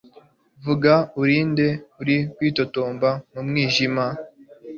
Vuga, uri nde uri kwitotomba mu mwijima?